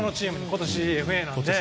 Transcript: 今年、ＦＡなので。